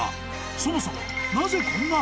［そもそも］